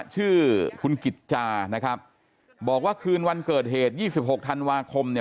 ชื่อคุณกิจจานะครับบอกว่าคืนวันเกิดเหตุ๒๖ธันวาคม